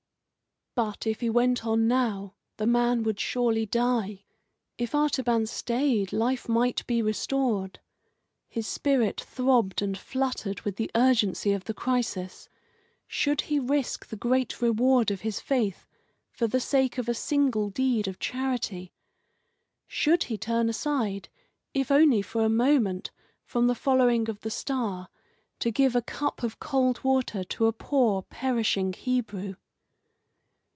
But if he went on now, the man would surely die. If Artaban stayed, life might be restored. His spirit throbbed and fluttered with the urgency of the crisis. Should he risk the great reward of his faith for the sake of a single deed of charity? Should he turn aside, if only for a moment, from the following of the star, to give a cup of cold water to a poor, perishing Hebrew?